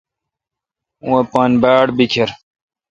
اوں پان باڑ بیکر